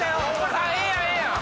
ええやんええやん！